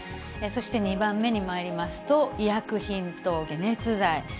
そして２番目にまいりますと、医薬品と解熱剤。